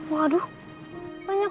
waduh banyak banget ini tulisan arab